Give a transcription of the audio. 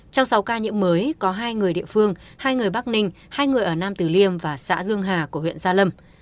trong sáu ca nhiễm mới có hai người địa phương hai người bắc ninh hai người ở nam tử liêm và xã dương hà của huyện gia lâm